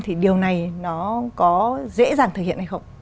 thì điều này nó có dễ dàng thực hiện hay không